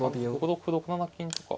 ６六歩６七金とか。